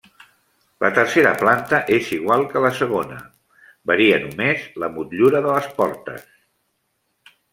La tercera planta és igual que la segona, varia només la motllura de les portes.